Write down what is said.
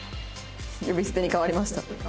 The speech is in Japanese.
呼び捨てに変わりました。